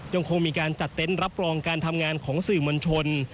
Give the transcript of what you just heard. ยังคงมีการจัดเต็นต์รับรองการทำงานของสื่อมวลชน